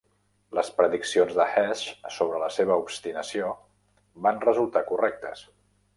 Les prediccions de Hesh sobre la seva obstinació van resultar correctes.